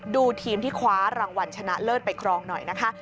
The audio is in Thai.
ดูทีมที่คว้ารางวัลชนะเลิศไปครองหน่อยนะคะ